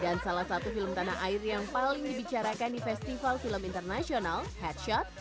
dan salah satu film tanah air yang paling dibicarakan di festival film internasional headshot